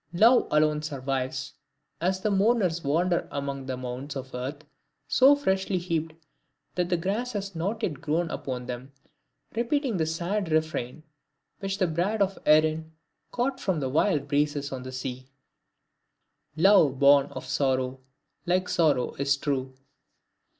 Love alone survives, as the mourners wander among the mounds of earth so freshly heaped that the grass has not yet grown upon them, repeating the sad refrain which the Bard of Erin caught from the wild breezes of the sea: "Love born of sorrow, like sorrow is true!"